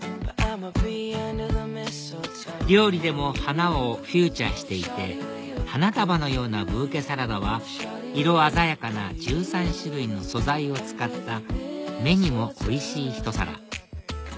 料理でも花をフィーチャーしていて花束のようなブーケサラダは色鮮やかな１３種類の素材を使った目にもおいしいひと皿